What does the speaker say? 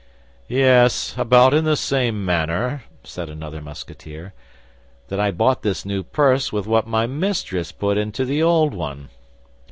"Yes; about in the same manner," said another Musketeer, "that I bought this new purse with what my mistress put into the old one."